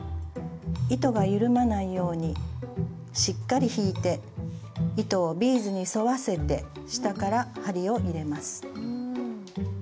糸が緩まないようにしっかり引いて糸をビーズに沿わせて下から針を入れます。